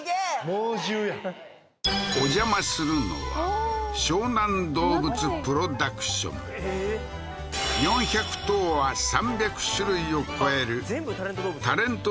猛獣やんお邪魔するのは４００頭羽３００種類を超えるタレント